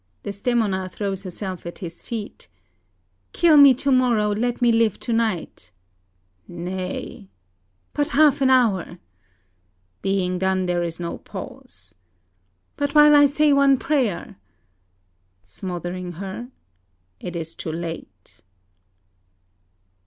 Desdemona throws herself at his feet: "DES. Kill me to morrow, let me live to night! OTH. Nay DES. But half an hour. OTH. Being done, there is no pause. DES. But while I say one prayer! OTH. (smothering her.) It is too late.